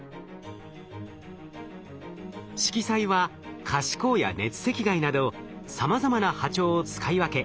しきさいは可視光や熱赤外などさまざまな波長を使い分け